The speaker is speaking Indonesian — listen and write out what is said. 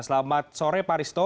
selamat sore pak risto